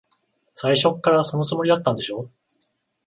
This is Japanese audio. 最初っから、そのつもりだったんでしょ。